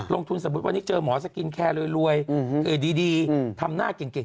สมมุติวันนี้เจอหมอสกินแคร์รวยดีทำหน้าเก่ง